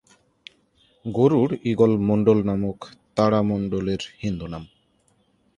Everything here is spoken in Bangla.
গরুড় ঈগল মণ্ডল নামক তারামণ্ডলের হিন্দু নাম।